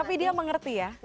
tapi dia mengerti ya